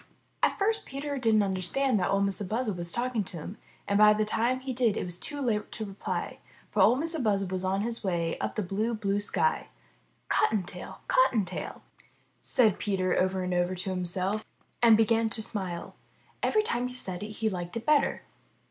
At first Peter didn't understand that Or Mistah Buzzard was speaking to him, and by the time he did it was too late to reply, for Or Mistah Buzzard was way, way up in the blue, blue sky. ^'Cottontail, Cottontail,'' said Peter over and over to himself and began to %;Si> 379 MY BOOK HOUSE smile. Every time he said it he liked it better.